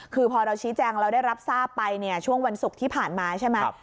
คือพอเราชี้แจงเราได้รับทราบไปเนี่ยช่วงวันศุกร์ที่ผ่านมาใช่ไหม